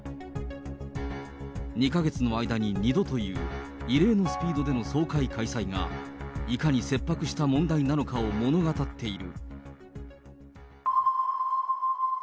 ２か月の間に２度という、異例のスピードでの総会開催が、いかに切迫した問題なのかを物語っている。